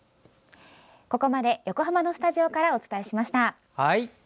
ここまで横浜のスタジオからお伝えしました。